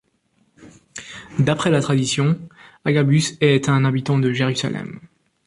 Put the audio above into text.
D'après la Tradition, Agabus est un habitant de Jérusalem.